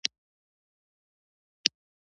هګۍ ګټور ویټامینونه لري.